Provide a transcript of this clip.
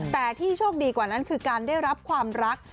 แต่ที่โชคดีกว่านั้นคือการได้รับความรัก